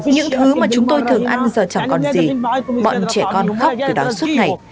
những thứ mà chúng tôi thường ăn giờ chẳng còn gì bọn trẻ con khóc từ đó suốt ngày